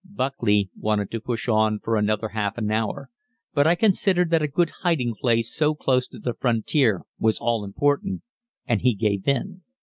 Buckley wanted to push on for another half an hour, but I considered that a good hiding place so close to the frontier was all important, and he gave in.